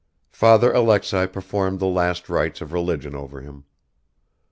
Father Alexei performed the last rites of religion over him.